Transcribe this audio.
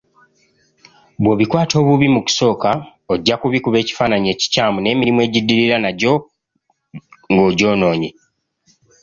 Bw'obikwata obubi mu kusooka ojja kubikuba ekifaananyi ekikyamu, n'emirimu egiddirira nagyo ng'ogyonoonye.